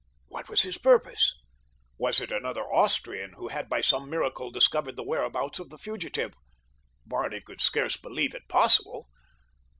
What was his purpose? Was it another Austrian who had by some miracle discovered the whereabouts of the fugitive? Barney could scarce believe it possible.